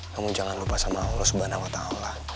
kamu jangan lupa sama allah subhanahu wa ta'ala